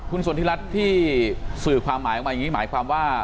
คุณสนทิรัฐที่สื่อความหมายออกมาอย่างนี้หมายความว่า